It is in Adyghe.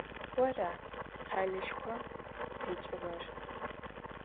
Ора къэлэшхом къикӏыгъэр?